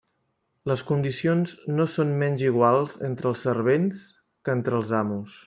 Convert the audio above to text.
Les condicions no són menys iguals entre els servents que entre els amos.